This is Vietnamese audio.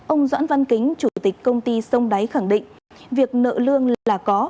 ông doãn văn kính chủ tịch công ty sông đáy khẳng định việc nợ lương là có